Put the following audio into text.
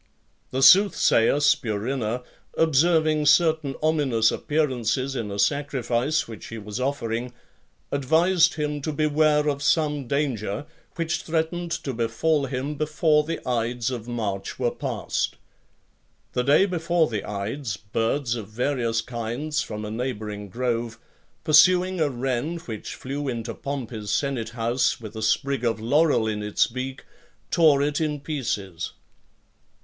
The soothsayer Spurinna, observing certain ominous appearances in a sacrifice which he was offering, advised him to beware of some danger, which threatened to befall him before the ides of March were past. The day before the ides, birds of various kinds from a neighbouring grove, pursuing a wren which flew into Pompey's senate house , with a sprig of laurel in its beak, tore it in pieces.